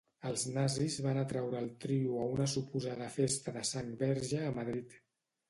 El nazis van atraure el trio a una suposada festa de sang verge a Madrid.